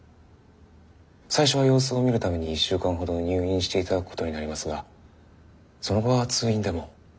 最初は様子を見るために１週間ほど入院していただくことになりますがその後は通院でも。